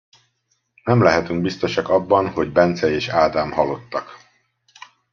Nem lehetünk biztosak abban, hogy Bence és Ádám halottak.